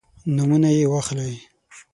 نومونه یې واخلئ.